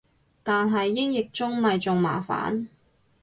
但係英譯中咪仲麻煩